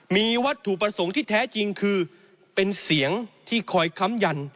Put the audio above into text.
มีวัตถุประสงค์ที่แท้จริงคือเป็นเสียงที่คอยค้ำยัน